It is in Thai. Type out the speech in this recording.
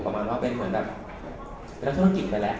ประมาณว่าเป็นเหมือนแบบนักธุรกิจไปแล้ว